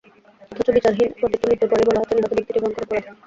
অথচ বিচারহীন প্রতিটি মৃত্যুর পরই বলা হচ্ছে, নিহত ব্যক্তিটি ভয়ংকর অপরাধী।